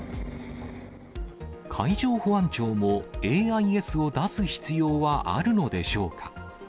海上保安庁もＡＩＳを出す必要はあるのでしょうか。